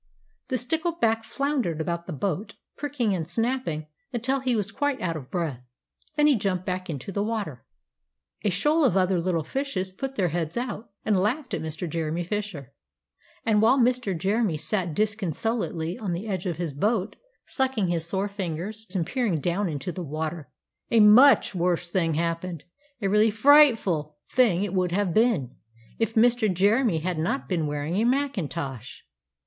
The stickleback floundered about the boat, pricking and snapping until he was quite out of breath. Then he jumped back into the water. And a shoal of other little fishes put their heads out, and laughed at Mr. Jeremy Fisher. And while Mr. Jeremy sat disconsolately on the edge of his boat sucking his sore fingers and peering down into the water a much worse thing happened; a really frightful thing it would have been, if Mr. Jeremy had not been wearing a macintosh!